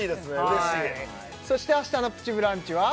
嬉しいそして明日の「プチブランチ」は？